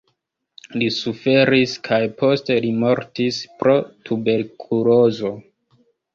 Li suferis kaj poste li mortis pro tuberkulozo.